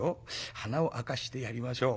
鼻を明かしてやりましょう。